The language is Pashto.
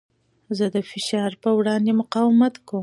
زه د فشار په وړاندې مقاومت کوم.